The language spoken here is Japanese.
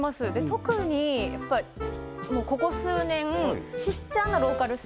特にもうここ数年ちっちゃなローカル線